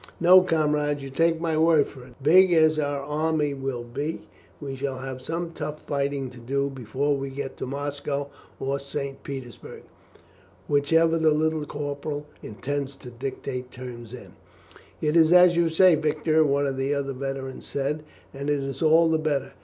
No, comrades, you take my word for it, big as our army will be, we shall have some tough fighting to do before we get to Moscow or St. Petersburg, whichever the Little Corporal intends to dictate terms in." "It is as you say, Victor," one of the other veterans said, "and it is all the better.